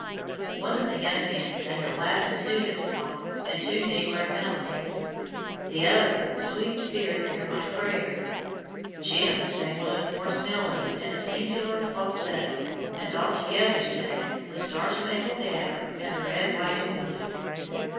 One of the young men sang a Latin student's song and two Negro melodies; the other "Sweet Spirit, hear my Prayer." "Jim" sang one of Moore's melodies in a singular falsetto, and all together sang, "The Star spangled Banner" and "The Red, White, and Blue."